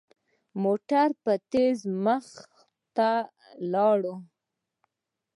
موټر په تېزۍ مخ ته لاړ.